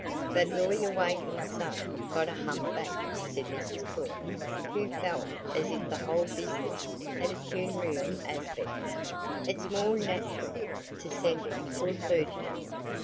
"But lawyer Wakem's son's got a hump back," said Mrs Pullet, who felt as if the whole business had a funereal aspect; "it's more nat'ral to send him to a clergyman."